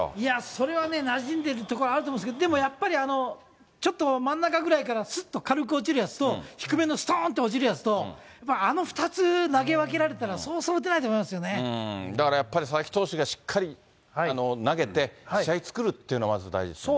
それはなじんでるところあると思いますけれども、でもやっぱり、ちょっと、真ん中ぐらいからすっと軽く落ちるやつと、低めのすとーんと落ちるやつと、やっぱあの２つ投げ分けられたら、だからやっぱり、佐々木投手がしっかり投げて、試合作るっていうのがまず大事ですね。